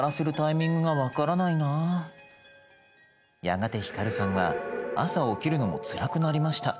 やがて光さんは朝起きるのもつらくなりました。